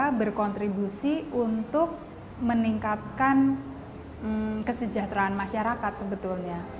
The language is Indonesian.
kita berkontribusi untuk meningkatkan kesejahteraan masyarakat sebetulnya